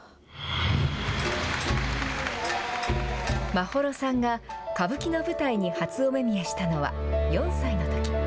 眞秀さんが歌舞伎の舞台に初お目見えしたのは４歳のとき。